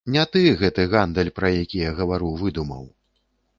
Не ты гэты гандаль, пра які я гавару, выдумаў.